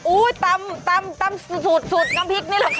ตำสูตรน้ำพริกนี่แหละค่ะ